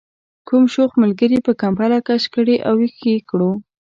کوم شوخ ملګري به کمپله کش کړې او ویښ یې کړو.